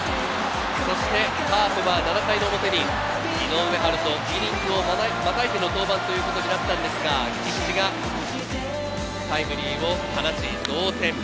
そしてカープは７回の表に井上温大、イニングをまたいでの登板ということになったんですが、菊池がタイムリーを放ち同点。